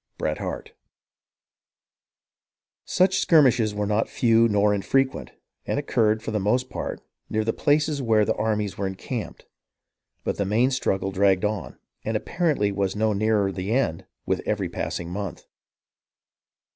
— Bret Harte. Such skirmishes were not few nor infrequent, and occurred, for the most part, near the places where the armies were encamped. But the main struggle dragged on, and apparently was no nearer the end with every passing month.